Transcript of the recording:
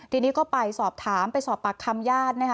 ทีนี้ก็ไปสอบถามไปสอบปากคำญาตินะคะ